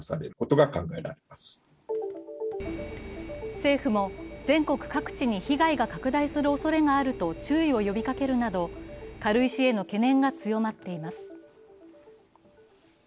政府も全国各地に被害が拡大するおそれがあると注意を呼びかけるなど軽石への懸念が強まっています。